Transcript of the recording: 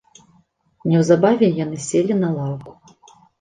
Неўзабаве яны селі на лаўку.